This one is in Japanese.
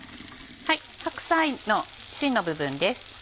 白菜のしんの部分です。